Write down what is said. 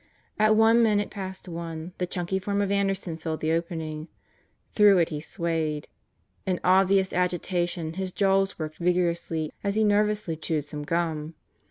At one minute past one, the chunky form of Anderson filled the opening. Through it he swayed. In obvious agitation his jaws worked vigorously as he nervously chewed some gum.